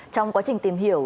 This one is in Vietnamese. trong quá trình tìm hiểu